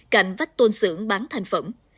cạnh vách tôn xưởng bán thành phẩm